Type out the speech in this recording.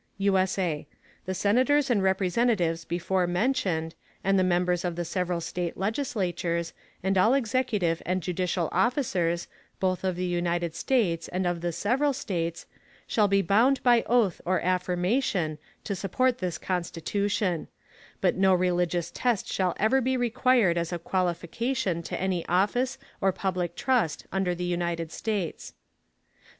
[USA] The Senators and Representatives before mentioned, and the Members of the several State Legislatures, and all executive and judicial Officers, both of the United States and of the several States, shall be bound by Oath or Affirmation, to support this Constitution; but no religious Test shall ever be required as a Qualification to any Office or public Trust under the United States.